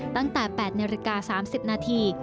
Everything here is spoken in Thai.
ตั้งแต่๘นาฬิกา๓๐นาที